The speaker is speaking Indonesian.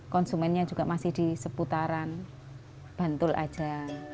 konsumennya juga masih di seputaran bantul aja